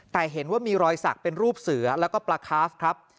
แต่เห็นว่ามีรอยสักเป็นรูปเสือแล้วก็ปลาคาฟครับ